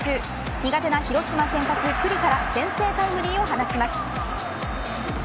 苦手な広島先発九里から先制タイムリーを放ちます。